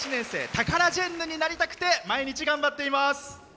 タカラジェンヌになりたくて毎日頑張っています。